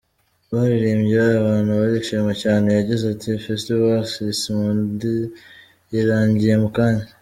Baririmbiye abantu barishima cyaneYagize ati: “Festival Axis Mundi irangiye mukanya.